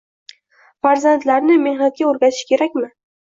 Farzandlarni mehnatga o‘rgatish kerakmi?